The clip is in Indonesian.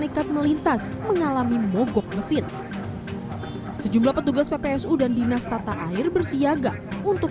nekat melintas mengalami mogok mesin sejumlah petugas ppsu dan dinas tata air bersiaga untuk